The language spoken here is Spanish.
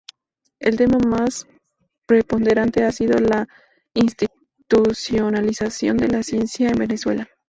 El tema más preponderante ha sido la institucionalización de la ciencia en Venezuela.